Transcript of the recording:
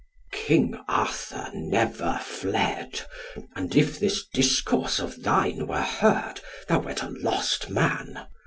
"King Arthur never fled, and if this discourse of thine were heard, thou wert a lost man.